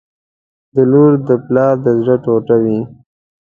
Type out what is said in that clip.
• لور د پلار د زړه ټوټه وي.